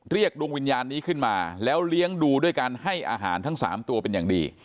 ดวงวิญญาณนี้ขึ้นมาแล้วเลี้ยงดูด้วยการให้อาหารทั้ง๓ตัวเป็นอย่างดี